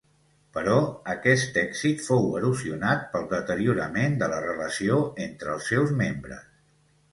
Però aquest èxit fou erosionat pel deteriorament de la relació entre els seus membres.